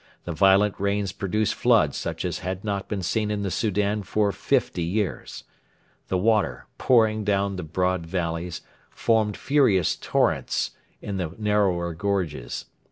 The violent rains produced floods such as had not been seen in the Soudan for fifty years. The water, pouring down the broad valleys, formed furious torrents in the narrower gorges.